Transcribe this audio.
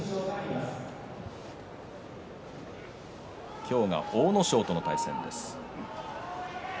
今日が阿武咲との対戦です。